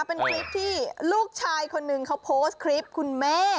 เป็นคลิปที่ลูกชายคนนึงเขาโพสต์คลิปคุณแม่